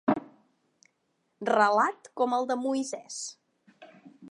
Relat com el de Moisès.